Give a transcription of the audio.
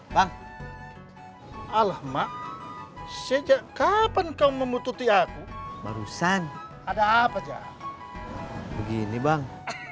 bang alma sejak kapan kau memututi aku barusan ada apa begini bang